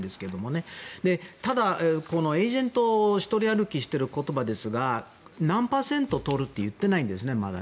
ただ、エージェントって一人歩きしている言葉ですが何パーセントとると言ってないんですね、まだ。